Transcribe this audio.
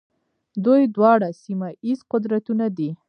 دوی دواړه سیمه ییز قدرتونه دي.